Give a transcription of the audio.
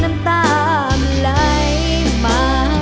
ในน้ำตาเมื่อไหร่แม่